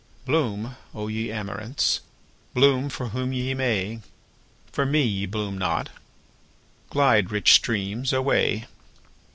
Bloom, O ye amaranths! bloom for whom ye may, For me ye bloom not! Glide, rich streams, away!